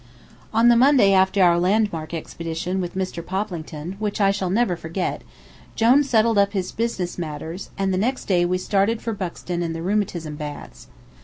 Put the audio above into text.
On the Monday after our landmark expedition with Mr. Poplington, which I shall never forget, Jone settled up his business matters, and the next day we started for Buxton and the rheumatism baths.